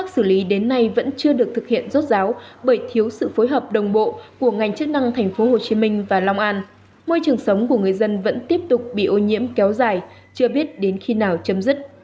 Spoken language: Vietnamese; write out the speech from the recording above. trong khu công nghiệp canh chức năng tp hcm và long an môi trường sống của người dân vẫn tiếp tục bị ô nhiễm kéo dài chưa biết đến khi nào chấm dứt